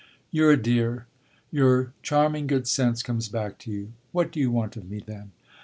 "You're a dear your charming good sense comes back to you! What do you want of me, then?"